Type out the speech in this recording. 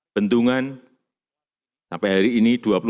bendungan sampai hari ini dua puluh empat